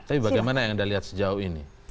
tapi bagaimana yang anda lihat sejauh ini